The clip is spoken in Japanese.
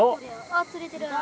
あっ釣れてる。